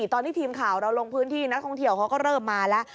ตอนที่ทีมข่าวเราลงพื้นที่นักท่องเที่ยวเขาก็เริ่มมาแล้ว